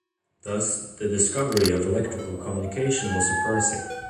Thus, the discovery of electrical communication was surprising.